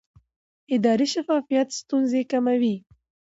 اداري شفافیت ستونزې کموي